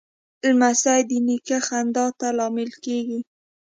لمسی د نیکه خندا ته لامل کېږي.